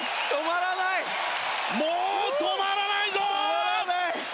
もう止まらないぞ！